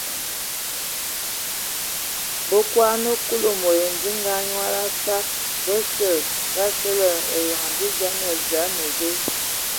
Ba akodan Kulu mod edinga a nyal a kpag basə ba sili eyoŋ dzidzia və naa: Zǝ a ne ve ?.